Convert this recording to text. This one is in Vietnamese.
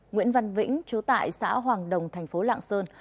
nguyễn văn vĩnh chú tại xã hoàng đồng thành phố lạng sơn